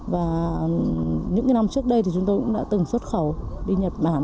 và những năm trước đây thì chúng tôi cũng đã từng xuất khẩu đi nhật bản